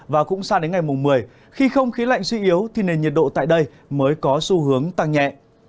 và cũng sang đến ngày một mươi khi không khí lạnh suy yếu thì nền nhiệt độ tại đây mới có xu hướng tăng nhẹ